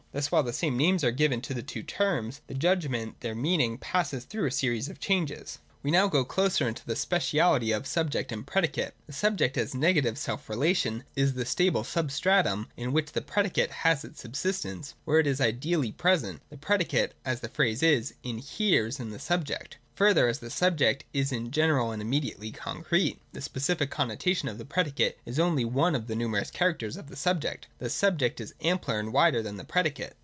Thus while the same names are given to the two terms of the judgment, their meaning passes through a series of changes. 170.J We now go closer into the speciality of sub ject and predicate. The subject as negative self rela tion (§5 163, 166) is the stable substratum in which the predicate has its subsistence and where it is ideally 302 THE DOCTRINE OF THE NOTION. [15 0,171. present. The predicate, as the phrase is, inheres in the subject. Further, as the subject is in general and immediately concrete, the specific connotation of the predicate is only one of the numerous characters of the subject. Thus the subject is ampler and wider than the predicate.